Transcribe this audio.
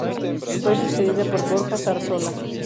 Fue sucedida por Borja Sarasola.